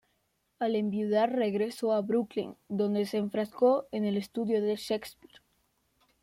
Al enviudar, regresó a Brooklyn, donde se enfrascó en el estudio de Shakespeare.